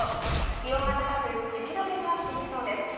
気温が高く雪解けが進みそうです。